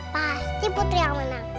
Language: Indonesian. pasti putri yang menang